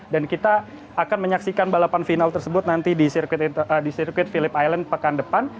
dan kita akan menyaksikan balapan final tersebut nanti di sirkuit phillip island pekan depan